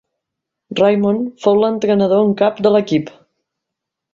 Raymond fou l'entrenador en cap de l'equip.